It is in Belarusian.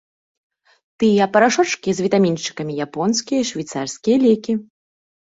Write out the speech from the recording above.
Тыя парашочкі з вітамінчыкамі, японскія і швейцарскія лекі!